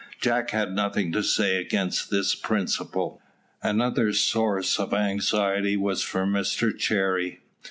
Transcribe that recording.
Jack had nothing to say against this principle. Another source of anxiety was for Mr Cherry.